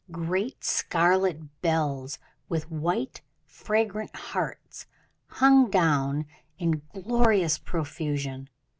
Great scarlet bells, with white, fragrant hearts, hung down in glorious profusion.